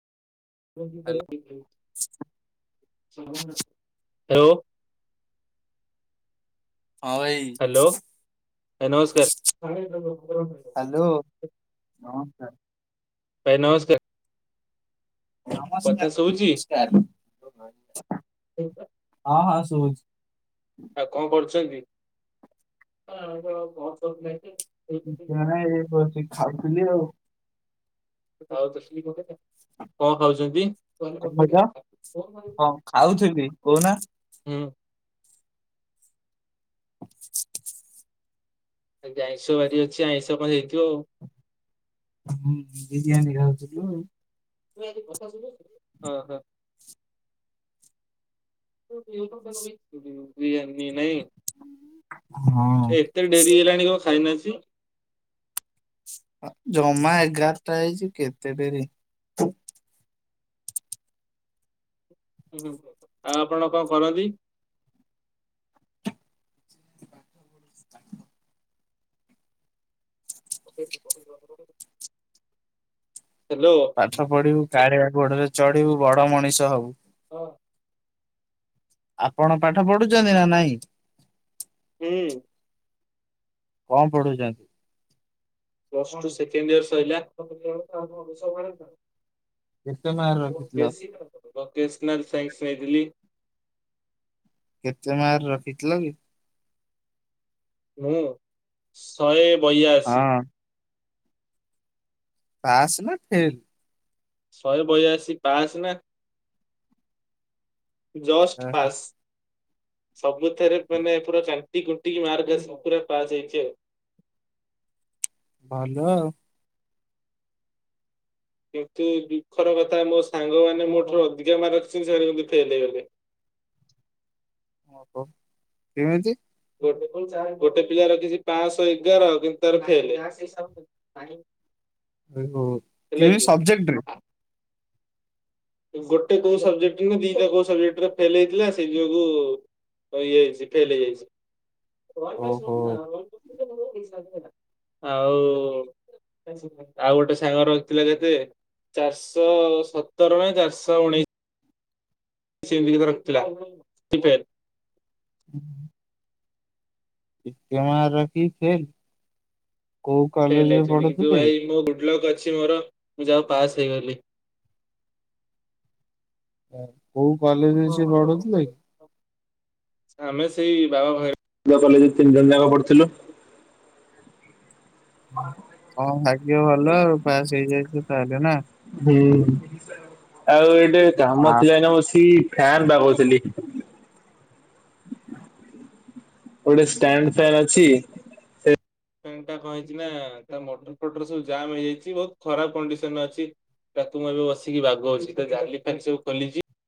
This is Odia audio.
Hello hello. ହଁ ଭାଇ। ହାଲୋ [unintelligible] ନମସ୍କାର। ହାଲୋ ଭାଇ ନମସ୍କାର। କଥା ନମସ୍କାର, ଶୁଭୁଛି? ଆଉ ନମସ୍କାର। ଆଉ କଣ କରୁଛନ୍ତି? ଯାହା ହେଇ କରୁଛି ଖାଉଥିଲି ଅଉ। କଣ ଖାଉଛନ୍ତି? କଣ କହିଲ ହଁ ଖାଉଥିବି କହୁନ? [inaudible] ଆଜି ଆଇଁଷ ବାରି ଅଛି ଆଇଁଷ ହେଇଥିବ ଆଉ। ହୁଁ ବିରିୟାନୀ ଖାଉଥିଲୁ ଆଉ। ହଁ ହଁ। ବିରିୟାନୀ ନାଇଁ? ହଁ। ଏତେ ଡେରି ହେଲାଣି କଣ ଖାଇନ ଆଜି? ଜମା ଏଗାରଟା ହେଇଛି କେତେ ଡେରି। ଆଉ ଆପଣ କଣ କରନ୍ତି? [unintelligible] ହାଲୋ। ପାଠ ପଢିବୁ କାଳିଆ ଘୋଡ଼ାରେ ଚଢିବୁ ବଡ ମଣିଷ ହବୁ। ହଁ। ଆପଣ ପାଠ ପଢୁଛନ୍ତି ନା ନାଇଁ? ହୁଁ। କଣ ପଢୁଚନ୍ତି? ପ୍ଲସ୍ ଟୁ ସେକେଣ୍ଡିୟର ସଇଲା। କେତେ ମାର୍କ ରଖିଥିଲ ପି ଏସ୍ ଭୋକେସ୍ନାଲ ସାଇନ୍ସି ନେଇଥିଲି। କେତେ ମାର୍କ ରଖିଥିଲ କି? ମୁଁ, ଶହେ ବୟାଅଶୀ। ହଁ ପାସ୍ ନା ଫେଲ୍? ଶହେ ବୟାଅଶୀ ପାସ୍ ନା, ଜଷ୍ଟ ଓହୋ ପାସ୍। ସବୁଥିରେ ମାନେ ପୁରା କାଟି କୁଟିକି ମାର୍କ ଆସି ପୁରା ପାସ୍ ହେଇଚି ଆଉ। ଭଲ ଆଉ। ଏତେ ଦୁଃଖର କଥା ମୋ ସାଙ୍ଗମାନେ ମୋ ଠାରୁ ଅଧିକା ମାର୍କ ରଖିଛନ୍ତି ସେମାନେ କିନ୍ତୁ ଫେଲ୍ ହେଇଗଲେ। ଓହୋ, କେମିତି? ଗୋଟେ ପିଲା ରଖିଛି ପାଂଶହ ଏଗାର, କିନ୍ତୁ ତାର ଫେଲ୍। କାହିଁ? ଓହୋ, କେଉଁ ସବଜେକ୍ଟରେ? ଗୋଟେ କୋଉ ସବଜେକ୍ଟରେ ନା ଦିଟା କୋଉ ସବଜେକ୍ଟରେ ଫେଲ୍ ହେଇଥିଲା ସେଇ ଯୋଗୁ ରଇଯାଇଛି ଫେଲ୍ ହେଇଯାଇଛି। ଓହୋ ଆଉ ଆଉ ଗୋଟେ ସାଙ୍ଗ ରଖିଥିଲା କେତେ ଚାରିଶହ ସତର ନା ଚାରିଶହ ଉଣେଇ ଶୀ ସେ ଏମିତିକା ରଖିଥିଲା ସେ ଫେଲ୍। ହୁଁ। ଏତେ ମାର୍କ ରଖିକି ଫେଲ୍। କୋଉ ଫେଲ୍ କଲେଜରେ ହେଇଛନ୍ତି, କିନ୍ତୁ ପଢୁଥିଲେ? ଭାଇ ମୋ ଗୁଡ୍ ଲକ୍ ଅଛି ମୋର ମୁଁ ଯାହା ହଉ ପାସ୍ ହେଇଗଲି। କୋଉ କଲେଜରେ ସିଏ ପଢୁଥିଲା କି? ଆମେ ସେଇ ବାବା ଭୈରବି କଲେଜରେ ତିନି ଜଣ ଯାକ ପଢୁଥିଲୁ। ତମ ଭାଗ୍ୟଭଲ ଆଉ ପାସ୍ ହେଇଯାଇଚ ତାହେଲେ ନା? ହୁଁ ଆଉ ଏଇଠେ ଆ କାମ ଥିଲା ନା ବସିକି ଫ୍ୟାନ୍ ବାଗଉଥିଲି ଗୋଟେ ଷ୍ଟାଣ୍ଡ ଫ୍ୟାନ୍ ଅଛି ଫ୍ୟାନଟା କଣ ହେଇଚି ନା ତା ମଟର ଫଟର ସବୁ ଜାମ ହେଇଯାଇଚି ବହୁତ ଖରାପ କଣ୍ଡିସନ ଅଛି ତାକୁ ମୁଁ ଏବେ ବସିକି ବାଗଉଚି ତା ଜାଲି ଫାଲି ସବୁ ଖୋଲିଚି